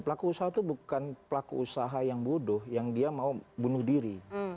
pelaku usaha itu bukan pelaku usaha yang bodoh yang dia mau bunuh diri